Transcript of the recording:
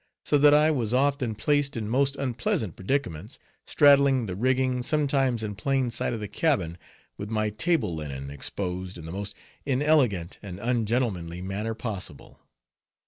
So that I was often placed in most unpleasant predicaments, straddling the rigging, sometimes in plain sight of the cabin, with my table linen exposed in the most inelegant and ungentlemanly manner possible.